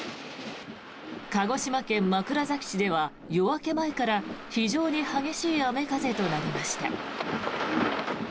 鹿児島県枕崎市では夜明け前から非常に激しい雨風となりました。